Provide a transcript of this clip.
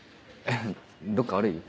どっか悪いの？